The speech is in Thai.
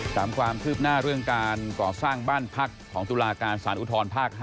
ตามความคืบหน้าเรื่องการก่อสร้างบ้านพักของตุลาการสารอุทธรภาค๕